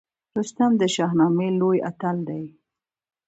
رستم د شاهنامې لوی اتل دی